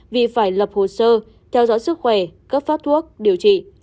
vì phải lập hồ sơ theo dõi sức khỏe cấp phát thuốc điều trị